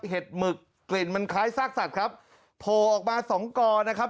เห็กกลิ่นมันคล้ายซากสัตว์ครับโผล่ออกมาสองกอนะครับ